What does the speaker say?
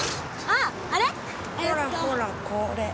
あっあれ？